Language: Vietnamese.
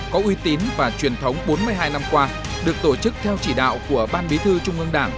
có uy tín và truyền thống bốn mươi hai năm qua được tổ chức theo chỉ đạo của ban bí thư trung ương đảng